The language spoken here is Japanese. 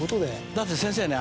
だって先生ね